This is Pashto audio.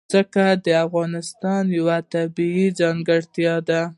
ځمکه د افغانستان یوه طبیعي ځانګړتیا ده.